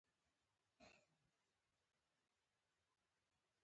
آیا واکسین د څارویو لپاره شته؟